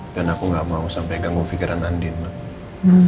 dan aku gak mau sampe ganggu fikiran andin